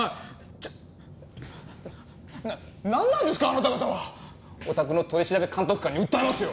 ちょっななんなんですかあなた方は！お宅の取調監督官に訴えますよ！